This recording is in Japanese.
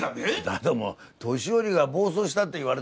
だども年寄りが暴走したって言われとっての。